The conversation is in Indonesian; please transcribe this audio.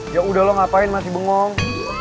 yaudah lo ngapain masih bengong